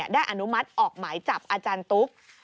อนุมัติออกหมายจับอาจารย์ตุ๊ก